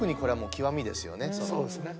そうですね。